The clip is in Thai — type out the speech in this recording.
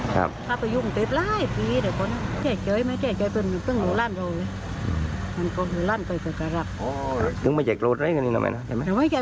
ถ้าไปยุ่มติดหลายปีเดี๋ยวคนนั้นเจ๋ยเจ๋ยไหมเจ๋ยเจ๋ย